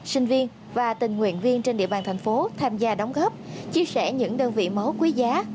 sinh viên và tình nguyện viên trên địa bàn thành phố tham gia đóng góp chia sẻ những đơn vị máu quý giá